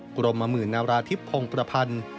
กรมมมือนราทิพพงภพันธ์